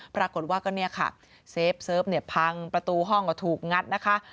ปรากฏว่าก็เนี่ยค่ะเซฟเนี่ยพังประตูห้องก็ถูกงัดนะคะ